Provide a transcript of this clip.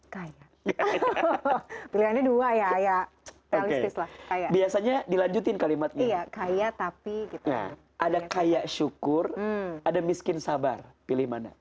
ya ya oke setelah kayak biasanya dilanjutin kalimatnya kaya tapi kita ada kaya syukur ada miskin sabar pilih mana